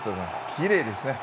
きれいですね。